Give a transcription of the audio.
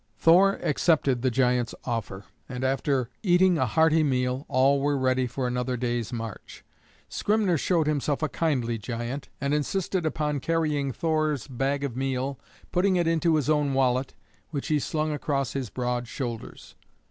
Thor accepted the giant's offer, and after eating a hearty meal, all were ready for another day's march. Skrymner showed himself a kindly giant, and insisted upon carrying Thor's bag of meal, putting it into his own wallet, which he slung across his broad shoulders.